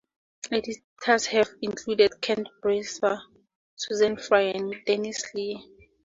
Editors have included Kent Brewster, Susan Fry, and Denise Lee.